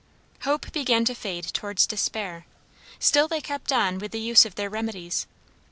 Hope began to fade towards despair; still they kept on with the use of their remedies.